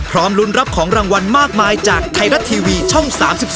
พร้อมลุ้นรับของรางวัลมากมายจากไทยรัฐทีวีช่อง๓๒